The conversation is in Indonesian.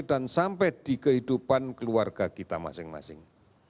dan sampai di kehidupan keluarga kita masing masing